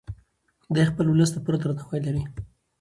دی خپل ولس ته پوره درناوی لري.